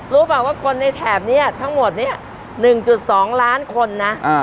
ป่ะว่าคนในแถบนี้ทั้งหมดเนี่ย๑๒ล้านคนนะ